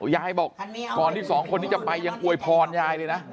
ยายบอกก่อนที่สองคนนี้จะไปยังอวยพรยายเลยนะ